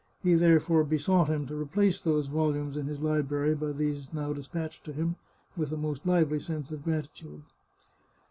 He therefore besought him to replace those volumes in his library by these now despatched to him, with a most lively sense of gratitude.